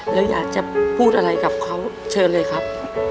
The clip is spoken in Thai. แล้วอยากจะพูดอะไรกับเขาเชิญเลยครับ